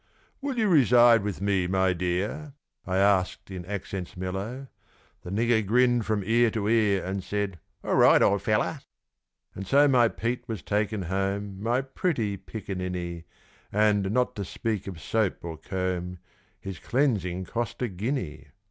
"Will you reside with me, my dear?" I asked in accents mellow The nigger grinned from ear to ear, And said, "All right, old fellow!" And so my Pete was taken home My pretty piccaninny! And, not to speak of soap or comb, His cleansing cost a guinea.